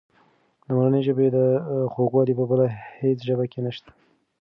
د مورنۍ ژبې خوږوالی په بله هېڅ ژبه کې نشته.